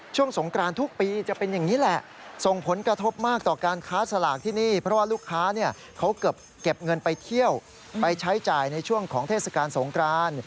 ใช้จ่ายในช่วงของเทศกาลสงกราน